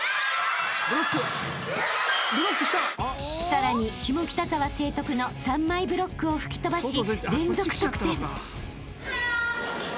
［さらに下北沢成徳の３枚ブロックを吹き飛ばし］